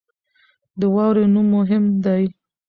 د واورې نوم مهم دی.